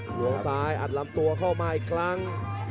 หลวงซ้ายอัดลำตัวเข้ามาอีกครั้ง